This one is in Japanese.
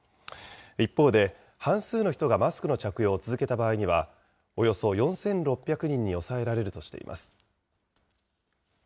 一方で、半数の人がマスクの着用を続けた場合には、およそ４６００人に抑えられるとしています。